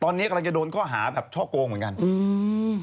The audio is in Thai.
ตอนนี้กำลังจะโดนข้อหาแบบช่อโกงเหมือนกันอืม